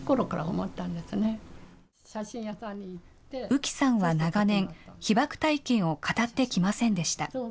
宇木さんは長年、被爆体験を語ってきませんでした。